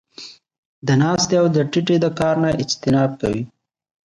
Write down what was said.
د ناستې او د ټيټې د کار نۀ اجتناب کوي -